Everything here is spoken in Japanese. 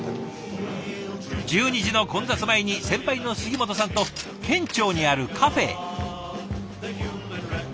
１２時の混雑前に先輩の杉本さんと県庁にあるカフェへ。